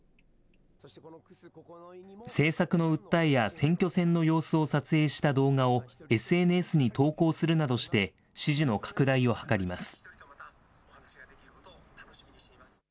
政策の訴えや選挙戦の様子を撮影した動画をＳＮＳに投稿するなどして支持の拡大を図ります。